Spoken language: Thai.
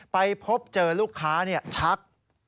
ไปพบเจอลูกค้าชัก